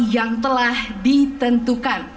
yang telah ditentukan